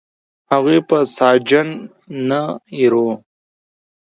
هغوی به ساسچن نه یراو.